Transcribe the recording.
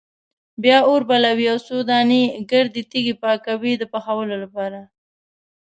بیا اور بلوي او څو دانې ګردې تیږې پاکوي د پخولو لپاره.